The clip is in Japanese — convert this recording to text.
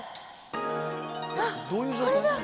あっ、これだ。